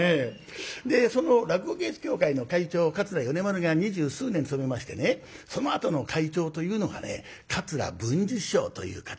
その落語芸術協会の会長桂米丸が二十数年務めましてねそのあとの会長というのがね桂文治師匠という方で。